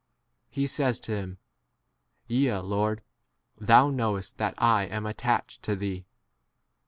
He says to him, Yea, Lord ; thou* knowest that I am attached to thee.